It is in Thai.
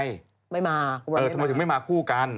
ทำไมถึงไม่มาคู่กัน